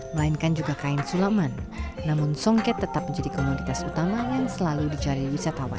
melainkan juga kain sulaman namun songket tetap menjadi komoditas utama yang selalu dicari wisatawan